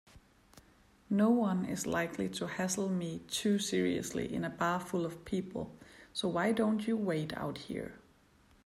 Noone is likely to hassle me too seriously in a bar full of people, so why don't you wait out here?